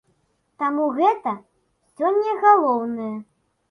Таму гэта сёння галоўнае.